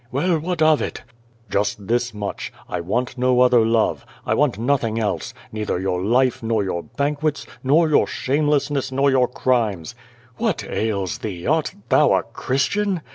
"Well, what of it?" "Just this much — I want no other love. I want nothing else — neither your life nor your banquets, nor your shameless ncss, nor your crimes." "\Vliat ails thee? Art thou a Christian?"